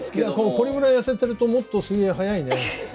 これぐらい痩せてるともっと水泳速いね。